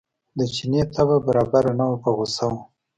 د چیني طبع برابره نه وه په غوسه و.